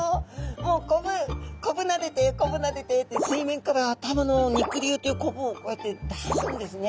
もうコブコブなでてコブなでてって水面から頭の肉瘤というコブをこうやって出すんですね。